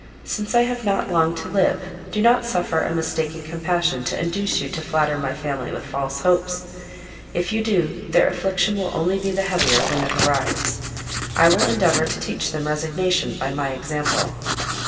Since I have not long to live, do not suffer a mistaken compassion to induce you to flatter my family with false hopes. If you do, their affliction will only be the heavier when it arrives: I will endeavour to teach them resignation by my example."